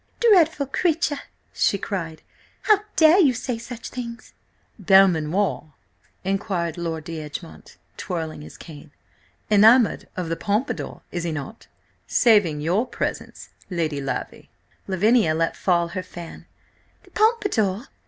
"Dreadful creature!" she cried. "How dare you say such things?" "Belmanoir?" inquired Lord D'Egmont, twirling his cane. "Enamoured of the Pompadour, is he not–saving your presence, Lady Lavvy!" Lavinia let fall her fan. "The Pompadour!